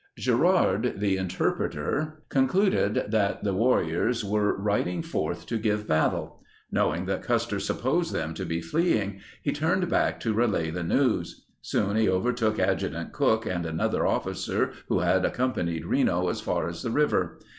Gerard, the interpreter, concluded 53 that the warriors were riding forth to give battle. Knowing that Custer supposed them to be fleeing, he turned back to relay the news. Soon he overtook Adjutant Cooke and another officer who had ac companied Reno as far as the river.